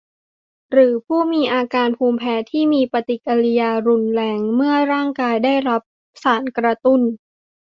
หรือผู้มีอาการภูมิแพ้ที่มีปฏิกิริยารุนแรงเมื่อร่างกายได้รับสารกระตุ้น